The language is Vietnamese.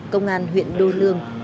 công an huyện đô lương